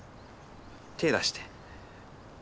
手出して。